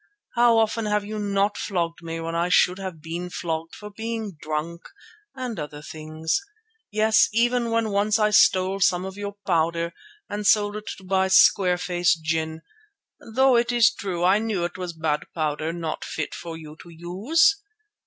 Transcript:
How often have you not flogged me when I should have been flogged for being drunk and other things—yes, even when once I stole some of your powder and sold it to buy square face gin, though it is true I knew it was bad powder, not fit for you to use?